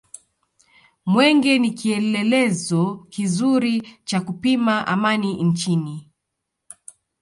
mwenge ni kielelezo kizuri cha kupima amani nchini